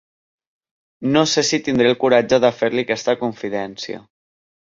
No sé si tindré el coratge de fer-li aquesta confidència.